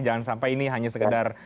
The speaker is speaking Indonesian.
jangan sampai ini hanya sekedar